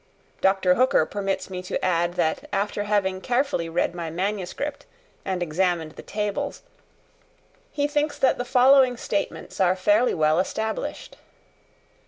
Dr. Hooker permits me to add that after having carefully read my manuscript, and examined the tables, he thinks that the following statements are fairly well established.